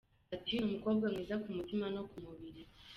Ati “Ni umukobwa mwiza ku mutima no ku mubiri.